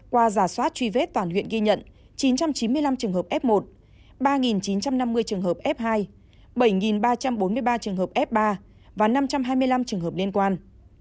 qua giả soát truy vết toàn huyện ghi nhận chín trăm chín mươi năm trường hợp f một ba chín trăm năm mươi trường hợp f hai bảy ba trăm bốn mươi ba trường hợp f ba và năm trăm hai mươi năm trường hợp liên quan